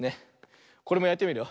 これもやってみるよ。